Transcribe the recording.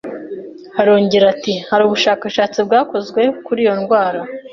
Arongera ati “Hari ubushakashatsi bwakozwe kuri iyo ndwara